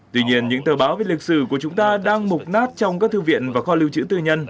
tuy nhiên những tờ báo về lịch sử của chúng ta đang mục nát trong các thư viện và kho lưu trữ tư nhân